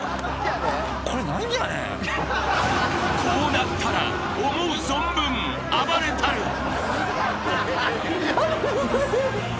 ［こうなったら思う存分暴れたる］